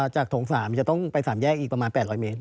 จากถงสามจะต้องไปสามแยกอีกประมาณ๘๐๐เมตร